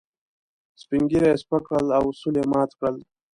سپين ږيري يې سپک کړل او اصول يې مات کړل.